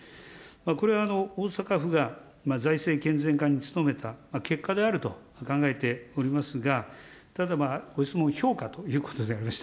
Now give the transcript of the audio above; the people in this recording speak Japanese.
これは大阪府が財政健全化に努めた結果であると考えておりますが、ただ、ご質問、評価ということでありました。